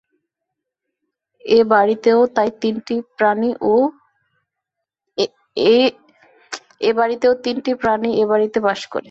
এ বাড়িতেও তাই তিনটি প্রাণী এ বাড়িতে বাস করে।